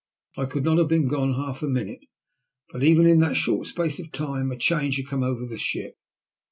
I could not have been gone half a minute, but even in that short space of time a change had come over the ship.